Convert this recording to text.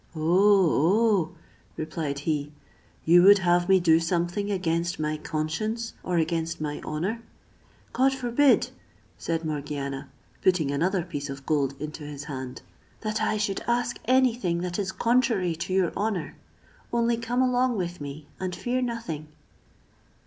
"Oh! oh!" replied he, "you would have me do something against my conscience, or against my honour?" "God forbid!" said Morgiana, putting another piece of gold into his hand, "that I should ask any thing that is contrary to your honour; only come along with me, and fear nothing."